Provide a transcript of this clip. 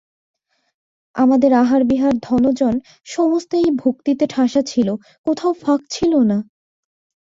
আমাদের আহারবিহার ধনজন সমস্তই এই ভক্তিতে ঠাসা ছিল, কোথাও ফাঁক ছিল না।